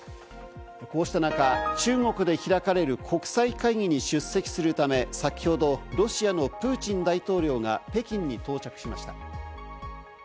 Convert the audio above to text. こうした中、中国で開かれる国際会議に出席するため、先ほどロシアのプーチン大統領が北京に到着しました。